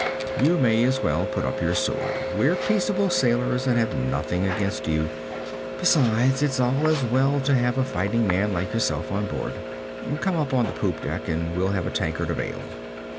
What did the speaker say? You may as well put up your sword. We're peaceable sailors, and have nothing against you. Besides, it's as well to have a fighting man like yourself on board. Come up to the poop deck and we'll have a tankard of ale.'